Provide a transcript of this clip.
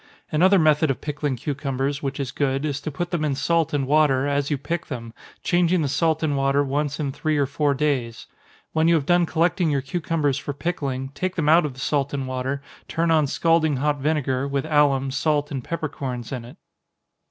Another method of pickling cucumbers, which is good, is to put them in salt and water, as you pick them changing the salt and water once in three or four days. When you have done collecting your cucumbers for pickling, take them out of the salt and water, turn on scalding hot vinegar, with alum, salt and peppercorns in it.